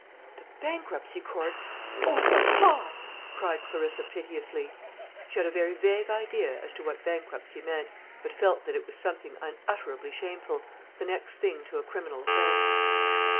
"The bankruptcy court! O, papa!" cried Clarissa piteously. She had a very vague idea as to what bankruptcy meant, but felt that it was something unutterably shameful the next thing to a criminal offence.